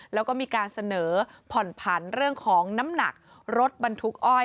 แล้วก็มีการเสนอผ่อนผันเรื่องของน้ำหนักรถบรรทุกอ้อย